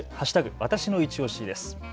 わたしのいちオシです。